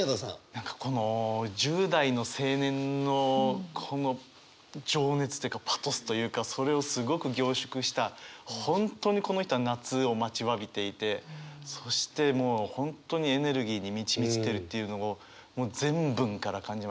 何かこの１０代の青年のこの情熱というかパトスというかそれをすごく凝縮した本当にこの人は夏を待ちわびていてそしてもう本当にエネルギーに満ち満ちてるっていうのをもう全文から感じますよね。